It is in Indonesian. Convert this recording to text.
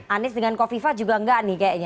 anies dengan kofifa juga enggak nih kayaknya